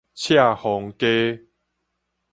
赤峰街